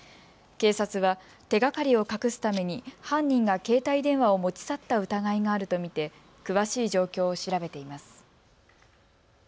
警察は手がかりを隠すために犯人が携帯電話を持ち去った疑いがあると見て詳しい状況を調べています。